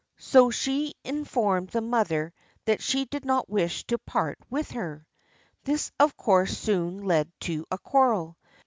So she in formed the mother that she did not wish to part with her. This of course soon led to a quarrel.